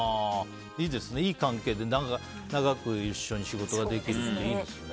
いい関係で長く一緒に仕事ができるっていいですよね。